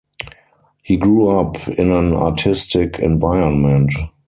He grew up in an artistic environment.